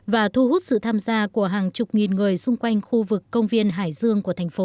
và thu hút sự tham gia của hàng chục nghìn người xung quanh khu vực công viên hải dương của thành phố